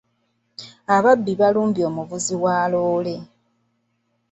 Ababbi baalumbye omuvuzi wa loole.